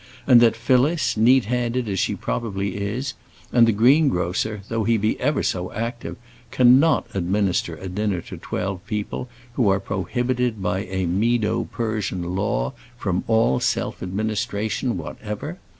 and that Phyllis, neat handed as she probably is, and the greengrocer, though he be ever so active, cannot administer a dinner to twelve people who are prohibited by a Medo Persian law from all self administration whatever?